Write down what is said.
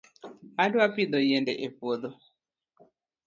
Adwa pidho yiende e puodho